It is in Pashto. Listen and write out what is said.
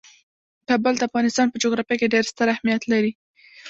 کابل د افغانستان په جغرافیه کې ډیر ستر اهمیت لري.